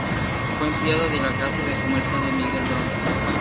Fue empleado de la casa de comercio de Miguel Dao.